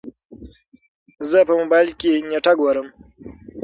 زه په موبايل کې نېټه ګورم.